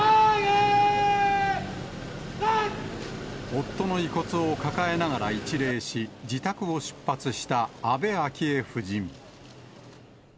夫の遺骨を抱えながら一礼し、自宅を出発した安倍昭恵夫人。